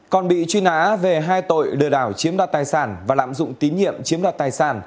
còn bị truy nã về hai tội lừa đảo chiếm đoạt tài sản và lạm dụng tín nhiệm chiếm đoạt tài sản